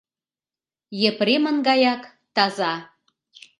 Епремын гаяк таза.